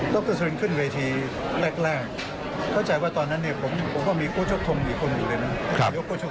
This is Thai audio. ดรซูลินขึ้นเวทีแรกเข้าใจว่าตอนนั้นผมก็มีโกชกธงอีกคนอยู่ให้เลยนะ